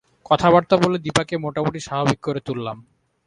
কথাবার্তা বলে দিপাকে মোটামুটি স্বাভাবিক করে তুললাম।